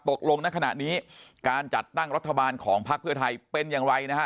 ตกลงณขณะนี้การจัดตั้งรัฐบาลของพักเพื่อไทยเป็นอย่างไรนะฮะ